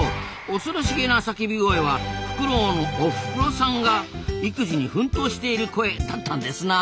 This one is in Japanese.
恐ろしげな叫び声はフクロウのおふくろさんが育児に奮闘している声だったんですな。